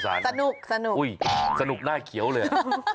ค่ะสนุกสนุกสนุกหน้าเขียวเลย